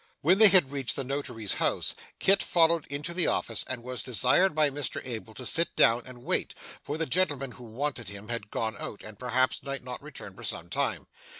When they reached the Notary's house, Kit followed into the office, and was desired by Mr Abel to sit down and wait, for the gentleman who wanted him had gone out, and perhaps might not return for some time.